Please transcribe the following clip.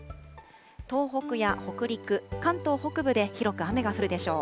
東北や北陸、関東北部で広く雨が降るでしょう。